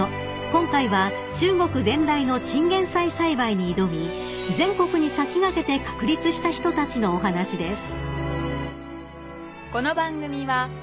今回は中国伝来のチンゲンサイ栽培に挑み全国に先駆けて確立した人たちのお話です］